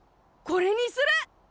これにする。